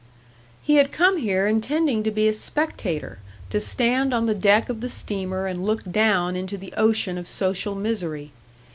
He had come here intending to be a spectator, to stand on the deck of the steamer and look down into the ocean of social misery.